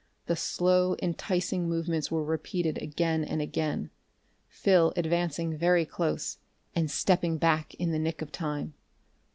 The slow, enticing movements were repeated again and again, Phil advancing very close, and stepping back in the nick of time.